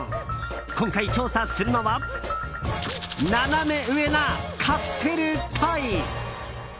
今回調査するのはナナメ上なカプセルトイ！